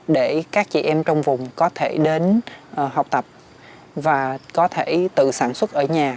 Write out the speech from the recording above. để các chị em trong vùng có thể đến học tập và có thể tự sản xuất ở nhà